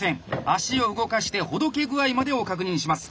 足を動かしてほどけ具合までを確認します。